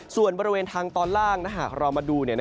ส่วนบริเวณทางตอนล่างถ้าหากเรามาดู